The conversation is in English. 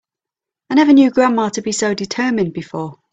I never knew grandma to be so determined before.